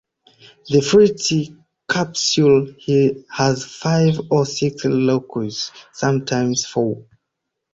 The fruit capsule has five or six locules (sometimes four).